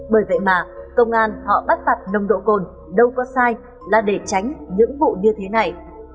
bởi vậy mà công an họ bắt phạt nông độ cồn đâu có sai là để tránh những vụ như thế này